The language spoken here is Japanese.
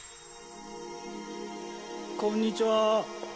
こんにちは。